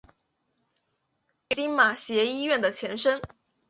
为今马偕医院的前身。